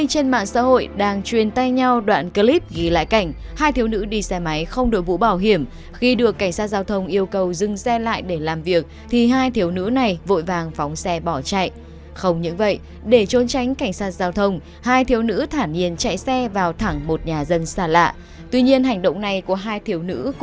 hãy đăng ký kênh để ủng hộ kênh của chúng tôi nhé